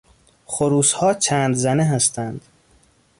خروسها چند زنه هستند.